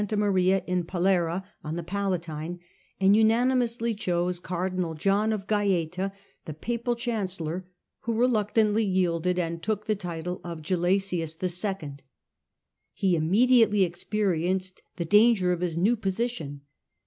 Maria in Pallara on the Palatine, John of and unanimously chose cardinal John of elected pope. Gacta, the papal chancellor, who reluctantly iL) ^ yielded and took the title of Gelasius 11. He immediately experienced the danger of his new position.